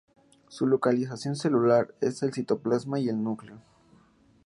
Su localización celular es el citoplasma y el núcleo.